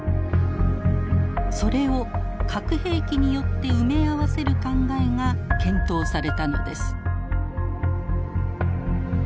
それを核兵器によって埋め合わせる考えが検討されたのです。